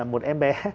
một em bé